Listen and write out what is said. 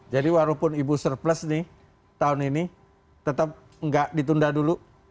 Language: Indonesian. jadi walaupun ibu surplus nih tahun ini tetap nggak ditunda dulu